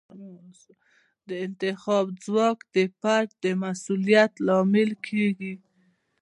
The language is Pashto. د انتخاب ځواک د فرد د مسوولیت لامل کیږي.